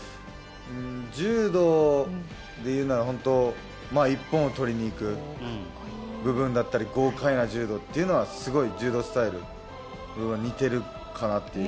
柔道でいうなら本当、一本をとりにいく部分だったり豪快な柔道というのはすごい柔道スタイルが似てるかなと。